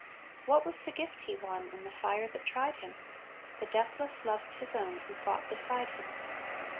What was the gift he won, in the fire that tried him? The deathless love of his own, who fought beside him.